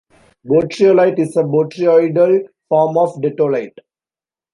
"Botryolite" is a botryoidal form of datolite.